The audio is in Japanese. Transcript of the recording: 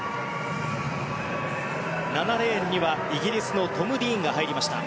７レーンにはイギリスのトム・ディーンが入りました。